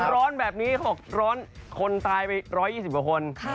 ร้อนแบบนี้คนตายไป๑๒๐บาทคน